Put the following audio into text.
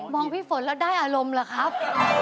มองพี่ฝนแล้วได้อารมณ์หร่ะครับ